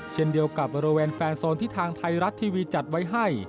เช่นเดียวกับบริเวณแฟนโซนที่ทางไทยรัฐทีวีจัดไว้ให้